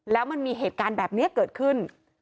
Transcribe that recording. แล้วมันมีเหตุการณ์แบบนี้เกิดขึ้น